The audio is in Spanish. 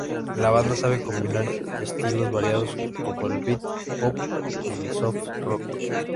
La banda sabe combinar estilos variados como el beat pop y el soft rock.